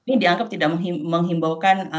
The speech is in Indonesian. ini dianggap tidak menghimbaukan